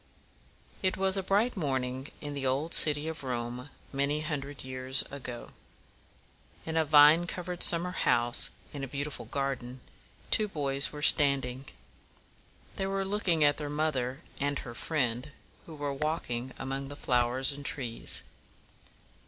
It was a bright morning in the old city of Rome many hundred years ago. In a vine covered summer house in a beautiful garden, two boys were standing. They were looking at their mother and her friend, who were walking among the flowers and trees.